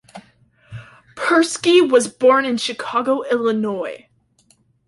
Persky was born in Chicago, Illinois.